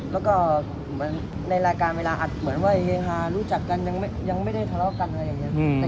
แล้วก็เหมือนในรายการเวลาอัดเหมือนว่าเฮฮารู้จักกันยังไม่ได้ทะเลาะกันอะไรอย่างนี้